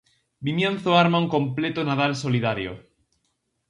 Vimianzo arma un completo Nadal solidario.